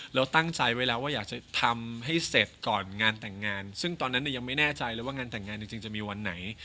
เราตั้งใจไว้แล้วว่าอยากจะทำให้เสร็จก่อนงานแต่งงานซึ่งตอนนั้นเนี่ยยังไม่แน่ใจเลยว่างานแต่งงานจริงจะมีวันไหน